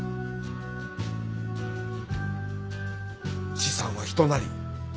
資産は人なり。